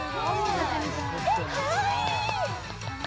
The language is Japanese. かわいい。